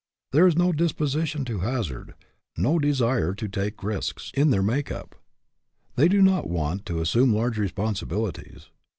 There is no disposition to hazard, no desire to take risks, in their make up. They do not want to as sume large responsibilities.